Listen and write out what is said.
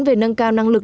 về nâng cao năng lực